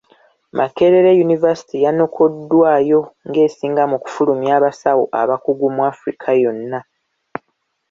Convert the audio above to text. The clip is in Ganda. Makerere University yanokoddwayo ng’esinga mu kufulumya abasawo abakugu mu Africa yonna.